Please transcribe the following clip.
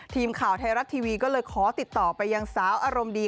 ทีมข่าวไทยรัฐทีวีก็เลยขอติดต่อไปยังสาวอารมณ์ดี